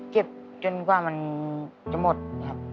จนกว่ามันจะหมดครับ